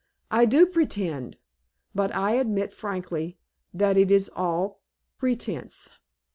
I do pretend; but I admit, frankly, that it is all pretence."